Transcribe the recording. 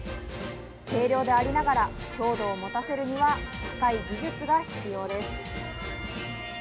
軽量でありながら、強度を持たせるには、高い技術が必要です。